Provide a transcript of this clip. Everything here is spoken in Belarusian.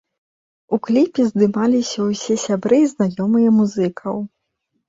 У кліпе здымаліся ўсе сябры і знаёмыя музыкаў.